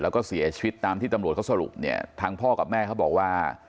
แล้วก็เสียชีวิตตามที่ตำรวจเขาสรุปเนี่ยทางพ่อกับแม่เขาบอกว่า